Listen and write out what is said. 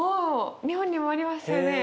日本にもありますよね。